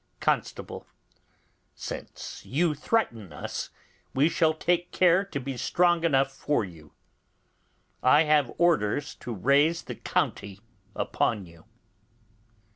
Constable. Since you threaten us, we shall take care to be strong enough for you. I have orders to raise the county upon you.